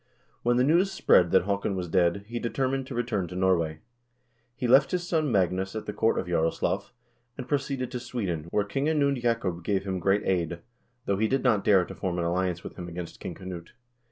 When the news spread that Haakon was dead, he determined to return to Norway. He left his son Magnus at the court of Jaroslaf, and proceeded to Sweden, where King Anund Jacob gave him great aid, though he did not dare to form an alliance with him against King Knut.